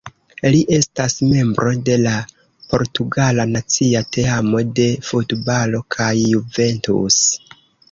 Li estas membro de la portugala nacia teamo de futbalo kaj Juventus.